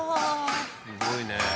すごいね。